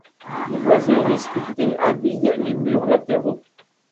Des boiseries sculptées habillent les murs latéraux.